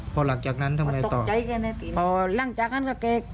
พอหลักจากนั้นทำไมต่อพอหลังจากนั้นก็เกลียด